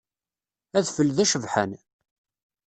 Adfel d acebḥan.